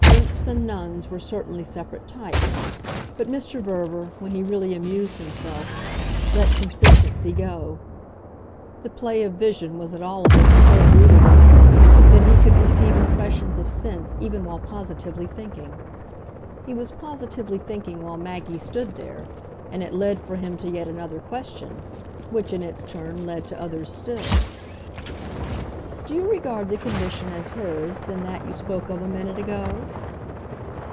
Nymphs and nuns were certainly separate types, but Mr. Verver, when he really amused himself, let consistency go. The play of vision was at all events so rooted in him that he could receive impressions of sense even while positively thinking. He was positively thinking while Maggie stood there, and it led for him to yet another question which in its turn led to others still. "Do you regard the condition as hers then that you spoke of a minute ago?"